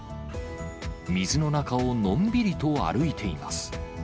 水の中をのんびりと歩いています。